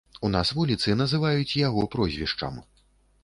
У нас вуліцы называюць яго прозвішчам.